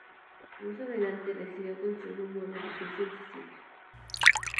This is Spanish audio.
Más adelante decidió construir un nuevo edificio en su sitio.